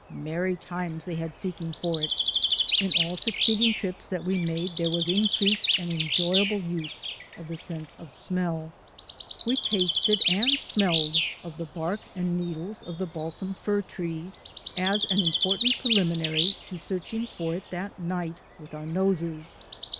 Merry times they had seeking for it. In all succeeding trips that we made there was increased and enjoyable use of the sense of smell. We tasted and smelled of the bark and needles of the balsam fir tree as an important preliminary to searching for it that night with our noses.